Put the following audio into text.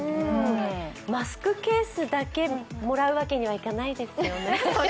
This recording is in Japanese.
マスクケースだけもらうわけにはいかないですよね？